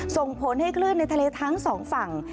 ส่งผลให้คลื่นในทะเลทั้งสองฝั่ง